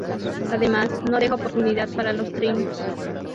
Además, no deja oportunidad para los trinos.